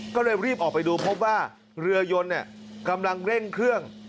ก็เลยรีบออกไปดูพบว่าเรือยนกำลังเร่งเครื่อง